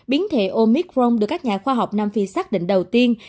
biến thể omicron được các nhà khoa học nam phi xác định đầu tiên